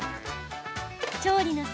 調理の際